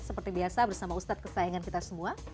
seperti biasa bersama ustadz kesayangan kita semua